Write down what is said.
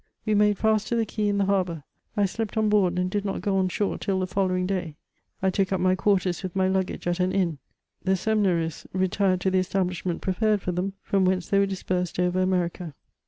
We made fast to the quay in the harbour. I slept on board, and did not go on shore till the following day. I took up my quarters with my lusrgage at an inn. The Seminarists re tired to the establishment prepared for ,them, from whence they were dispersed over America.